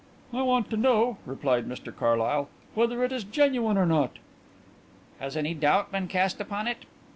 "I want to know," replied Mr Carlyle, "whether it is genuine or not." "Has any doubt been cast upon it?"